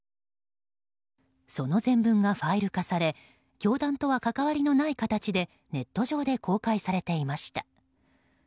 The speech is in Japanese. その全文がファイル化され教団とは関わりがない形でネット上で公開されていました。